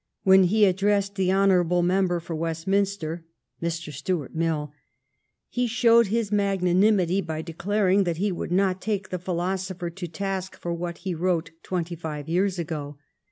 When he addressed the honorable member for Westminster [Mr. Stuart Mill], he showed his magnanimity by declaring that he would not take the philosopher to task for what he wrote twenty five years ago.